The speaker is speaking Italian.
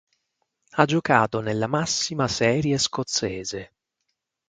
Ha giocato nella massima serie scozzese.